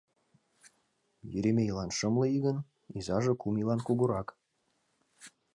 Еремейлан шымле ий гын, изаже кум ийлан кугурак.